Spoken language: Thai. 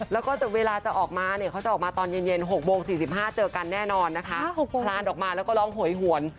แล้วก็เวลาจะออกมาเนี่ยเขาจะออกมาตอนเย็น๖โมง๔๕เจอกันแน่นอนนะคะคลานออกมาแล้วก็ร้องโหยหวน